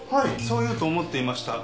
そう言うと思っていました。